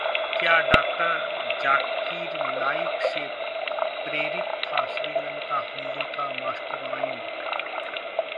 क्या डॉ. जाकिर नाइक से प्रेरित था श्रीलंका हमले का मास्टरमाइंड?